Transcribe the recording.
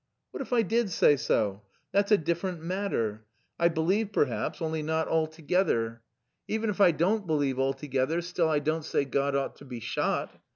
"What if I did say so that's a different matter. I believe, perhaps, only not altogether. Even if I don't believe altogether, still I don't say God ought to be shot.